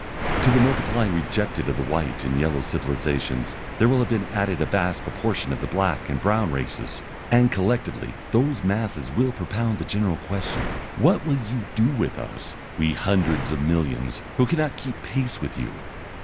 To the multiplying rejected of the white and yellow civilizations there will have been added a vast proportion of the black and brown races, and collectively those masses will propound the general question, "What will you do with us, we hundreds of millions, who cannot keep pace with you?"